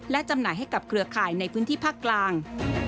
และจำหน่ายให้กับเครือข่ายในพื้นที่ภาคกลาง